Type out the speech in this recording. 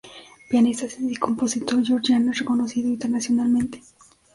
Pianista y compositor Georgiano reconocido internacionalmente.